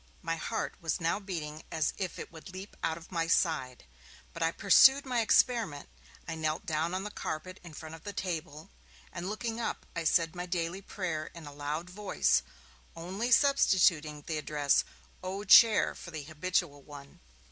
My heart was now beating as if it would leap out of my side, but I pursued my experiment. I knelt down on the carpet in front of the table and looking up I said my daily prayer in a loud voice, only substituting the address 'Oh Chair!' for the habitual one.